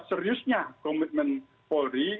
seriusnya komitmen polri